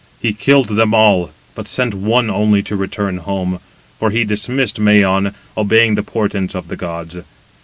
He killed them all, but sent one only to return home: for he dismissed Mæon, obeying the portents of the gods.